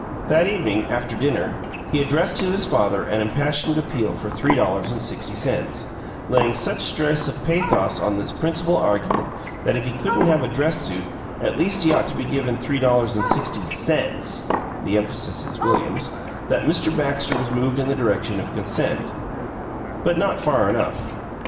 That evening, after dinner, he addressed to his father an impassioned appeal for three dollars and sixty cents, laying such stress of pathos on his principal argument that if he couldn't have a dress suit, at least he ought to be given three dollars and sixty CENTS (the emphasis is William's) that Mr. Baxter was moved in the direction of consent but not far enough.